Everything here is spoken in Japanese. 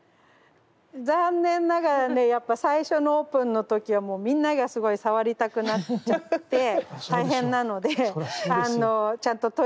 残念ながらねやっぱ最初のオープンの時はもうみんながすごい触りたくなっちゃって大変なので。